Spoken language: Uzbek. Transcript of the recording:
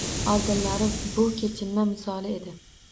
Oldinlari bu kechinma misoli edi.